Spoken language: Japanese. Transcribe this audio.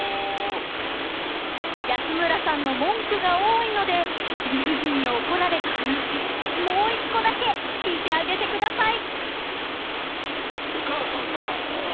［安村さんの文句が多いので理不尽に怒られた話もう１個だけ聞いてあげてください］